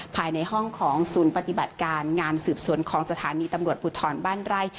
ภายในห้องของศูนย์ปฏิบัติการงานสืบสวนของสถานีตำรวจภูทรบ้านไร่